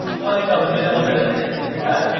নিসার আলি কথা বলা শুরু করলেন।